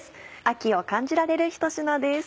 秋を感じられるひと品です。